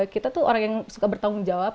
kita tuh suka bertanggung jawab